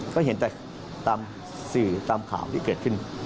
ก็เห็นแต่ตามสื่อตามข่าวที่เกิดขึ้น